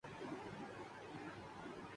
عام عوام کی پہنچ سے دور ہے